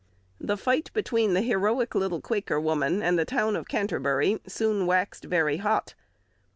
The fight between the heroic little Quaker woman and the town of Canterbury soon waxed very hot.